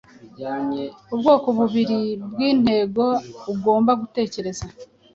ubwoko bubiri bwintego ugomba gutekereza